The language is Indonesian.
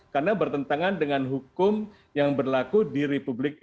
karena bertentangan dengan hukum yang berlaku di republik